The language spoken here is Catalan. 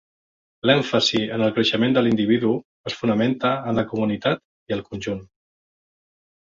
L'èmfasi en el creixement de l'individu es fonamenta en la comunitat i el conjunt.